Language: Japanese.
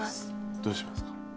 どうしますか？